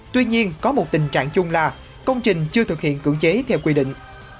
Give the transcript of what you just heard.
tuy nhiên có một tình trạng chung là công trình chưa thực hiện cưỡng chế theo quy định